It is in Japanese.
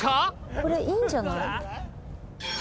これいいんじゃない？